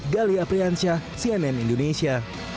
gali apriansyah cnn indonesia